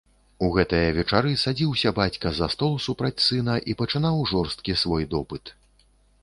У гэтыя вечары садзіўся бацька за стол супраць сына і пачынаў жорсткі свой допыт.